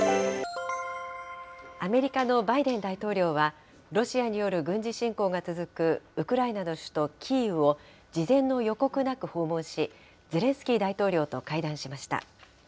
アメリカのバイデン大統領は、ロシアによる軍事侵攻が続くウクライナの首都キーウを事前の予告なく訪問し、ゼレンスキー大統領と会談しました。